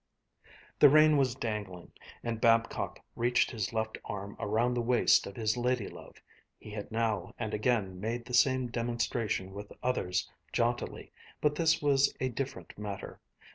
The rein was dangling, and Babcock reached his left arm around the waist of his lady love. He had now and again made the same demonstration with others jauntily, but this was a different matter.